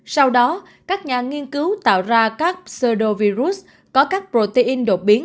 sau đó các nhà nghiên cứu tạo ra các pseudovirus có các protein đột biến